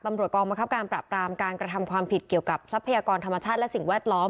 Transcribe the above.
กองบังคับการปราบรามการกระทำความผิดเกี่ยวกับทรัพยากรธรรมชาติและสิ่งแวดล้อม